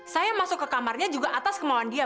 saya masuk ke kamarnya juga atas kemauan dia